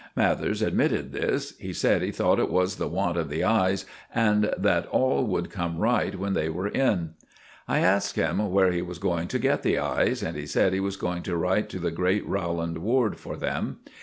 Mathers admitted this. He said he thought it was the want of the eyes, and that all would come right when they were in. I asked him where he was going to get the eyes, and he said he was going to write to the great Rowland Ward for them.